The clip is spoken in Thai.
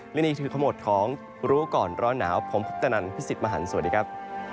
และนี่คือข้อหมดของรู้ก่อนร้อนหนาวผมพรุธตนันพิษศิษฐ์มหันต์สวัสดีครับ